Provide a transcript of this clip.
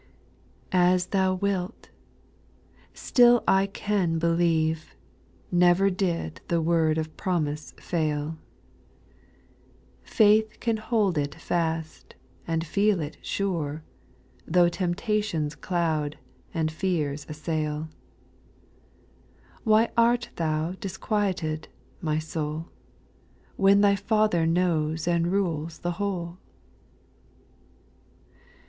2. As Thou wilt I still I can believe, Never did the word of promise fail ; Faith can hold it fast, and feel it sure, Tho' temptations cloud, and fears assail. Why art thou disquieted, my soul. When thy Father knows and rules the whole